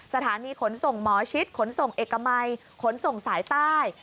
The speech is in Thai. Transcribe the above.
สถานีขนส่งหมอชิดขนส่งเอกมัยขนส่งสายใต้